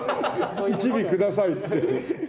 「１尾ください」って。